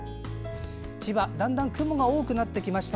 千葉、だんだん雲が多くなってきました。